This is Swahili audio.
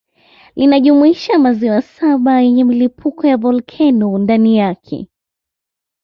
Linajumuisha maziwa saba yenye milipuko ya volkeno ndani yake